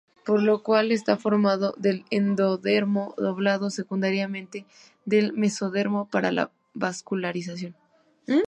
Por lo cual está formado del endodermo, doblado secundariamente del mesodermo para la vascularización.